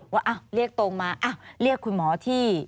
ว่าเรียกตรงมาเรียกคุณหมอที่